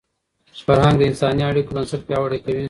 فرهنګ د انساني اړیکو بنسټ پیاوړی کوي.